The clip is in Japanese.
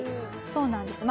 そうなんです。